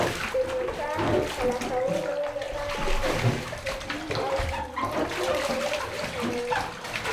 د نوکانو کلکولو لپاره د هوږې او لیمو ګډول وکاروئ